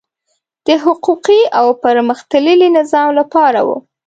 د حقوقي او پرمختللي نظام لپاره وو.